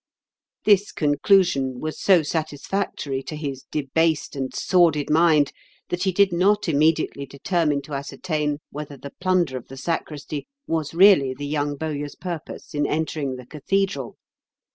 This conclusion was so satisfactory to his debased and sordid mind that he did not immediately determine to ascertain whether the plunder of the sacristy was really the young bowyer's purpose in entering the cathedral.